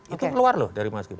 itu keluar loh dari masjid